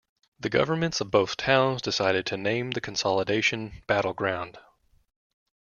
The governments of both towns decided to name the consolidation Battle Ground.